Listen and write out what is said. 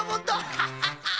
ハハハッ！